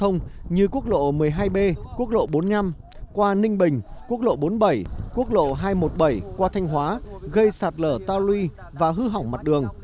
như quốc lộ một mươi hai b quốc lộ bốn mươi năm qua ninh bình quốc lộ bốn mươi bảy quốc lộ hai trăm một mươi bảy qua thanh hóa gây sạt lở tao luy và hư hỏng mặt đường